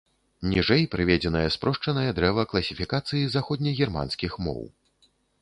Ніжэй прыведзенае спрошчанае дрэва класіфікацыі заходнегерманскіх моў.